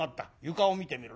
床を見てみろ。